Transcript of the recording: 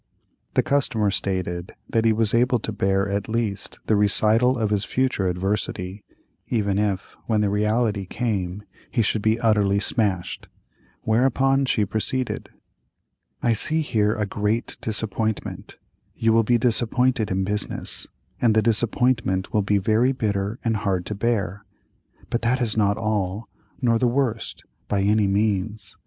The customer stated that he was able to bear at least the recital of his future adversity, even if, when the reality came, he should be utterly smashed; whereupon she proceeded: "I see here a great disappointment; you will be disappointed in business, and the disappointment will be very bitter and hard to bear—but that is not all, nor the worst, by any means.